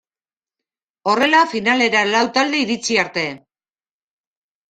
Horrela finalera lau talde iritsi arte.